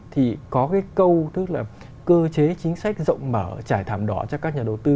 thì có cái câu tức là cơ chế chính sách rộng mở trải thảm đỏ cho các nhà đầu tư